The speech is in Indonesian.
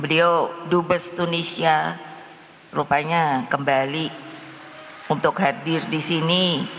beliau dubes tunisia rupanya kembali untuk hadir di sini